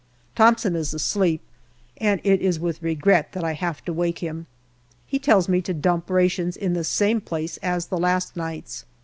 Thomson is asleep, and it is with regret that I have to wake him. He tells me to dump rations in the same place as the last night's.